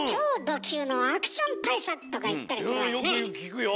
うんよく聞くよ。